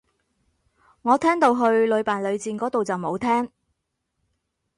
我聽到去屢敗屢戰個到就冇聽